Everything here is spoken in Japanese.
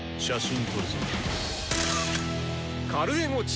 写真撮るぞ。